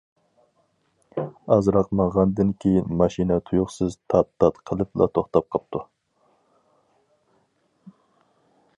ئازراق ماڭغاندىن كېيىن ماشىنا تۇيۇقسىز تات-تات قىلىپلا توختاپ قاپتۇ.